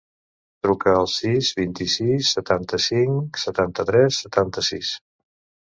Truca al sis, vint-i-sis, setanta-cinc, setanta-tres, setanta-sis.